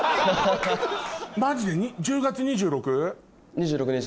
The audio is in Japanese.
マジで１０月２６日？